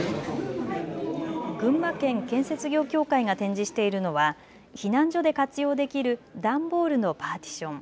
群馬県建設業協会が展示しているのは避難所で活用できる段ボールのパーティション。